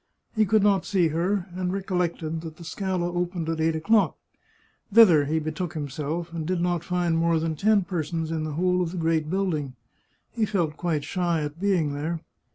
He could not see her, and recollected that the Scala opened at eight o'clock. Thither he betook himself, and did not find more than ten persons in the whole of the great building. He felt quite shy at being there.